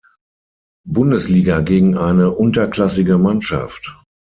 Bundesliga gegen eine unterklassige Mannschaft.